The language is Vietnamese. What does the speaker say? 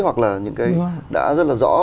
hoặc là những cái đã rất là rõ